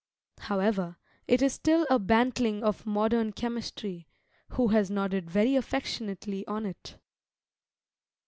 However, it is still a bantling of modern chemistry, who has nodded very affectionately on it!